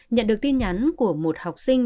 nhận được tin nhắn của một học sinh